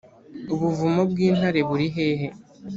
Ubuvumo bw’intare buri hehe